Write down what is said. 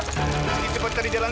rizky cepat cari jalan